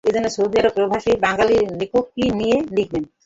ধরা যাক, একজন সৌদি আরব প্রবাসী বাঙালি লেখক কী নিয়ে লিখবেন?